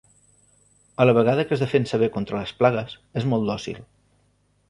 A la vegada que es defensa bé contra les plagues és molt dòcil.